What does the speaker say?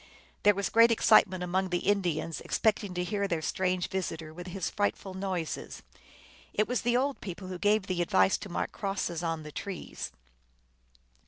There was a great ex citement among the Indians, expecting to hear their strange visitor with his frightful noises. It was the old people who gave the advice to mark crosses on the trees.